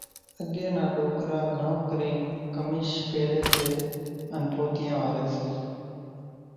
اڳيَ نا ڏوڪرا گھڻون ڪرينَ کميس پيريَ سي انين پوتيون واريَ سي۔